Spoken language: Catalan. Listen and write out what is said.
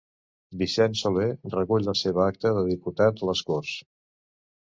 Vicent Soler recull la seva acta de diputat a les Corts